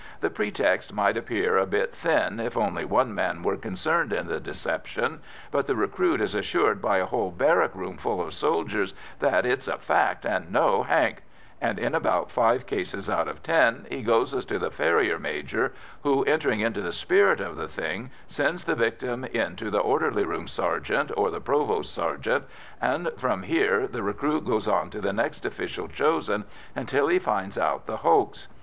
The pretext might appear a bit thin if only one man were concerned in the deception, but the recruit is assured by a whole barrack roomful of soldiers that "it's a fact, and no hank," and in about five cases out of ten he goes to the farrier major, who, entering into the spirit of the thing, sends the victim in to the orderly room sergeant or the provost sergeant, and from here the recruit goes to the next official chosen, until he finds out the hoax.